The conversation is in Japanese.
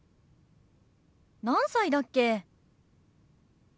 何歳だっけ？